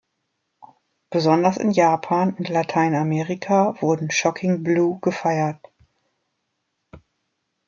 Besonders in Japan und Lateinamerika wurden Shocking Blue gefeiert.